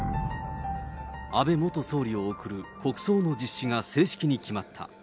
安倍元総理を送る国葬の実施が正式に決まった。